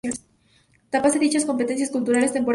traspase dichas competencias culturales temporalmente